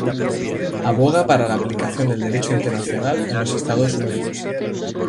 Aboga para la aplicación del derecho internacional en los Estados Unidos.